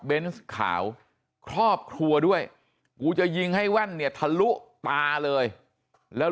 ขาวครอบครัวด้วยกูจะยิงให้แว่นเนี่ยทะลุตาเลยแล้ว